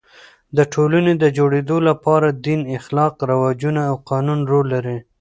د ټولني د جوړېدو له پاره دین، اخلاق، رواجونه او قانون رول لري.